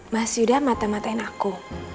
mas yuda matain aku